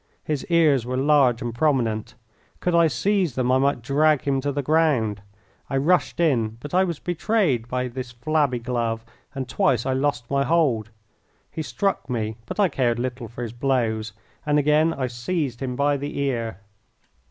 His ears were large and prominent. Could I seize them I might drag him to the ground. I rushed in, but I was betrayed by this flabby glove, and twice I lost my hold. He struck me, but I cared little for his blows, and again I seized him by the ear.